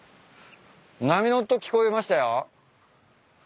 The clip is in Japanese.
波の音聞こえましたよ。